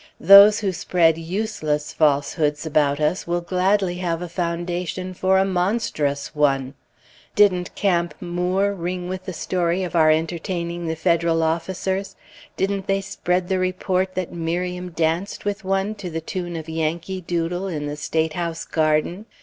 Those who spread useless falsehoods about us will gladly have a foundation for a monstrous one. Didn't Camp Moore ring with the story of our entertaining the Federal officers? Didn't they spread the report that Miriam danced with one to the tune of "Yankee Doodle" in the State House garden?